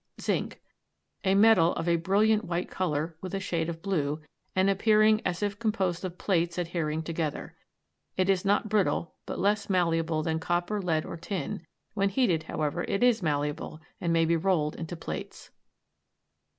ZINC. A metal of a brilliant white color, with a shade of blue, and appearing as if composed of plates adhering together. It is not brittle, but less malleable than copper, lead, or tin; when heated, however, it is malleable, and may be rolled into plates.